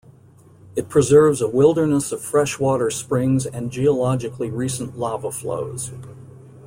It preserves a wilderness of freshwater springs and geologically recent lava flows.